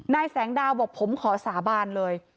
นายแสงดาวบอกผมขอสาบานเลย